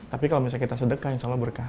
tapi kalau misalnya kita sedekah insya allah berkah